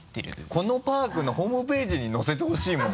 このパークのホームページに載せてほしいもん